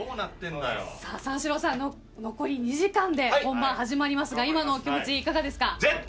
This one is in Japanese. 三四郎さん、残り２時間で本番始まりますが今のお気持ちいかがですか。